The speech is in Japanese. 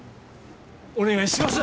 お願いします！